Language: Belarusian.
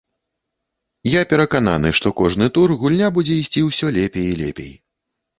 Я перакананы, што кожны тур гульня будзе ісці ўсё лепей і лепей.